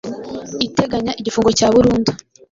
iteganya igifungo cya burundu